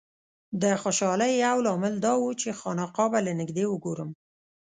د خوشالۍ یو لامل دا و چې خانقاه به له نږدې وګورم.